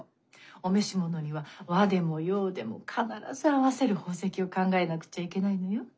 お召し物には和でも洋でも必ず合わせる宝石を考えなくちゃいけないのよ。